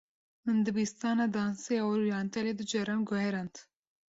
Min dibistana dansê ya oryentalê du caran guherand.